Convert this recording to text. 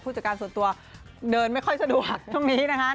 จัดการส่วนตัวเดินไม่ค่อยสะดวกช่วงนี้นะคะ